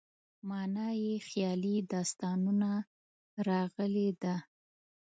معنا یې خیالي داستانونه راغلې ده.